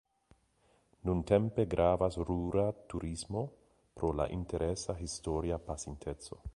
Nuntempe gravas rura turismo pro la interesa historia pasinteco.